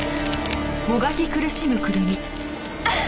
あっ！